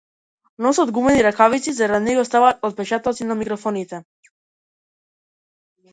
Носат гумени ракавици за да не оставаат отпечатоци на микрофоните.